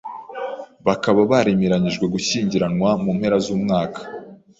bakaba baremeranyijwe gushyingiranwa mu mpera z’umwaka